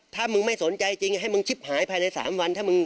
ถ้ามึงไม่สนใจจริงให้มึงชิบหายภายในสามวัน